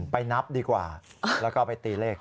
นับดีกว่าแล้วก็ไปตีเลข